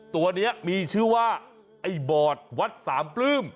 ตัวนี้มีชื่อว่าไอ้บอดวัดสามปลื้ม